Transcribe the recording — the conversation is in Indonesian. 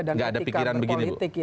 dan etika berpolitik ya